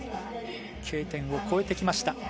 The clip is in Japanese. Ｋ点を越えてきました。